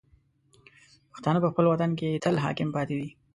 پښتانه په خپل وطن کې تل حاکم پاتې دي.